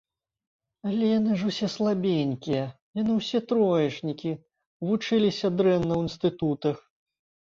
Але яны ж усе слабенькія, яны ўсе троечнікі, вучыліся дрэнна ў інстытутах.